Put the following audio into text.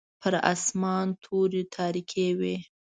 پر اسمان توري تاریکې وې.